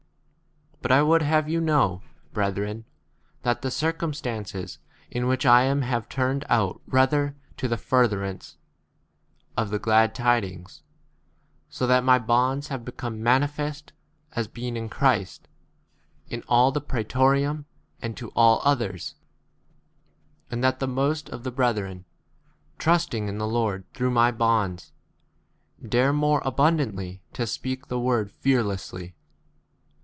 12 But I would have you know, brethren, that the circumstances in which I am have turned out rather to the furtherance of the 13 glad tidings, so that my bonds have become manifest [as being] in Christ s in all the prsetorium 14 and h to all others ; and that the most of the brethren, trusting in 1 [the] Lord through my bonds, dare more abundantly to speak 13 the word k fearlessly.